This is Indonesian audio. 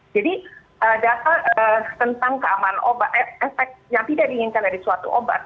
jadi data tentang keamanan obat efek yang tidak diinginkan dari suatu obat